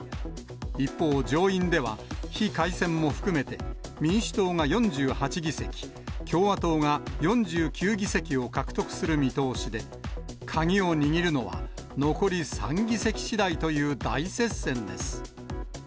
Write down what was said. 一方、上院では非改選も含めて民主党が４８議席、共和党が４９議席を獲得する見通しで、鍵を握るのは残り３議席しだいという大接戦です。